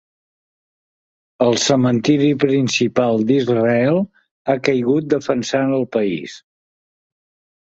El cementiri principal d'Israel ha caigut defensant el país.